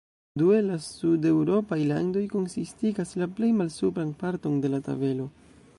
Due, la sudeŭropaj landoj konsistigas la plej malsupran parton de la tabelo.